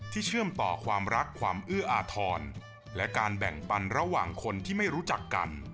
เชื่อมต่อความรักความอื้ออาทรและการแบ่งปันระหว่างคนที่ไม่รู้จักกัน